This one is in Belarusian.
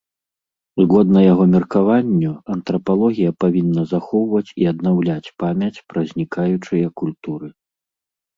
Згодна яго меркаванню, антрапалогія павінна захоўваць і аднаўляць памяць пра знікаючыя культуры.